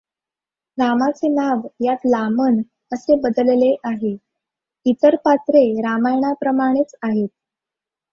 रामाचे नाव यात लामन असे बदलले आहे; इतर पात्रे रामायणाप्रमाणेच आहेत.